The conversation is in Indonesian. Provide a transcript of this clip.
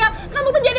ibu ibu menyame